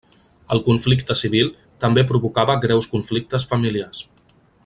El conflicte civil també provocava greus conflictes familiars.